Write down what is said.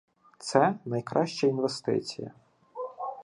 Це — найкраща інвестиція